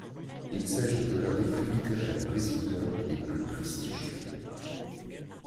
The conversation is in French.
Il s'agit de l'un des prix littéraires brésiliens les plus prestigieux.